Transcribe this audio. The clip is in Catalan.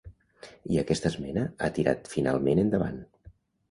I aquesta esmena ha tirat finalment endavant.